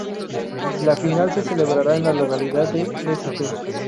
La final se celebrará en la localidad de St.